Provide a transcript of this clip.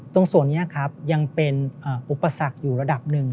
ตรงส่วนนี้ครับยังเป็นอุปสรรคอยู่ระดับหนึ่ง